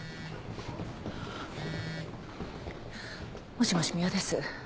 もしもし三輪です。